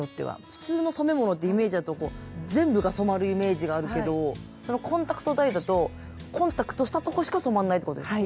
普通の染め物ってイメージだと全部が染まるイメージがあるけどコンタクトダイだとコンタクトしたとこしか染まんないってことですか？